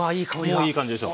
もういい感じでしょ。